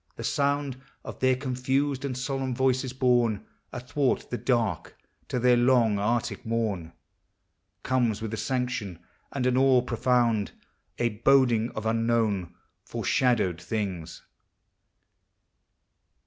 The sound Of their confused and solemn voices, borne Athwart the dark to their long arctic morn. Comes with a sanction and an awe profound, A boding of unknown, foreshadowed things.